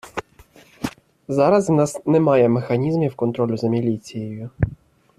Зараз в нас немає механізмів контролю за міліцією.